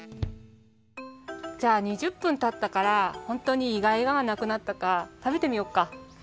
じゃあ２０分たったからほんとにイガイガがなくなったかたべてみよっか。